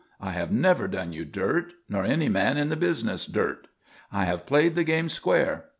I have never done you dirt; nor any man in the business dirt. I have played the game square.